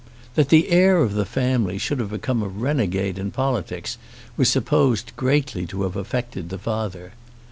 That the heir of the family should have become a renegade in politics was supposed greatly to have affected the father.